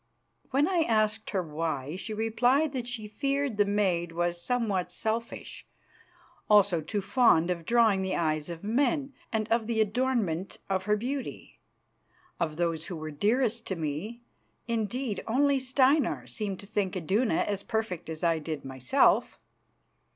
When I asked her why, she replied that she feared the maid was somewhat selfish, also too fond of drawing the eyes of men, and of the adornment of her beauty. Of those who were dearest to me, indeed, only Steinar seemed to think Iduna as perfect as I did myself.